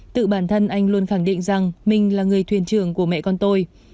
tự bản thân anh luôn khẳng định rằng mình là người thuyền trưởng của mẹ con tôi